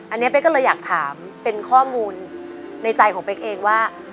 อันนี้เป๊กก็เลยอยากถามเป็นข้อมูลในใจของเป๊กเองว่า